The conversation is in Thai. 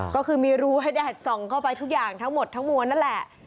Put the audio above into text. ก็คือมีรูให้แดดส่องเข้าไปทุกอย่างทั้งหมดทั้งมวลนั่นแหละ